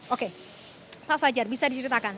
oke pak fajar bisa diceritakan